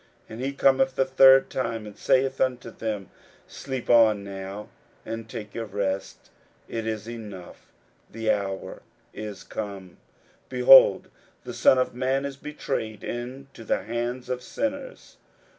41:014:041 And he cometh the third time, and saith unto them, Sleep on now, and take your rest: it is enough, the hour is come; behold, the Son of man is betrayed into the hands of sinners.